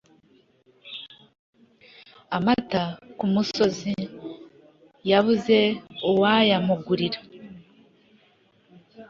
amata ku musozi yabuze uwayamugurira.